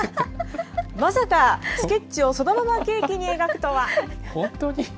まさか、スケッチをそのままケーキに描くとは。